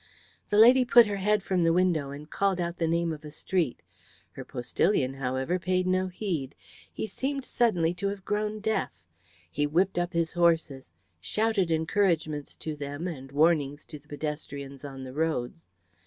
The lady put her head from the window and called out the name of a street. Her postillion, however, paid no heed: he seemed suddenly to have grown deaf; he whipped up his horses, shouted encouragements to them and warnings to the pedestrians on the roads.